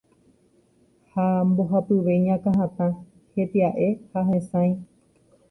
Ha mbohapyve iñakãhatã, hetia'e ha hesãi.